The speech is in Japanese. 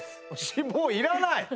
脂肪いらない！？